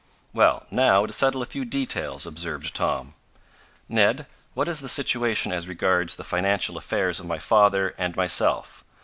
"Well, now to settle a few details," observed Tom. "Ned, what is the situation as regards the financial affairs of my father and myself?